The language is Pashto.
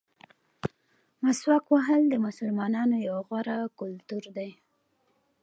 مسواک وهل د مسلمانانو یو غوره کلتور دی.